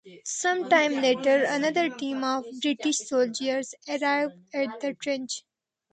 Some time later, another team of British soldiers arrive at the trench.